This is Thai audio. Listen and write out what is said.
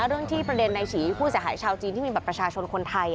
เรื่องที่ประเด็นในฉีผู้เสียหายชาวจีนที่มีบัตรประชาชนคนไทย